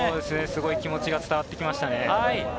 気持ちが伝わってきましたね。